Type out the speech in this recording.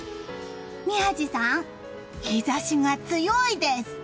宮司さん、日差しが強いです。